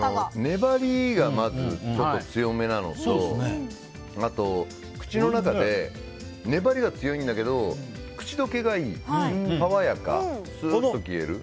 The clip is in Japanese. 粘りがまずちょっと強めなのとあと、粘りが強いんだけど口溶けがいい、爽やかスーッと消える。